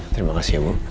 terima kasih ya bu